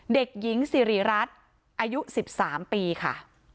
เด็กหญิงสิริรัตน์อายุ๑๓ปีค่ะ